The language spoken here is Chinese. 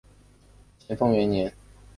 咸丰元年署国子监司业。